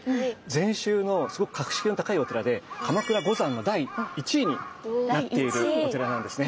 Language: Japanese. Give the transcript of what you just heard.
禅宗のすごく格式の高いお寺で鎌倉五山の第一位になっているお寺なんですね。